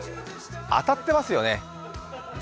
当たってますよね。